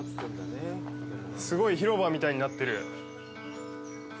すごい広場みたいになってる。